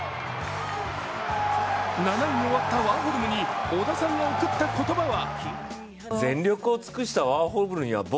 ７位に終わったワーホルムに織田さんが送った言葉は。